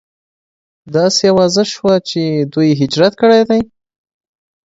داسې اوازه شوه چې دوی هجرت کړی دی.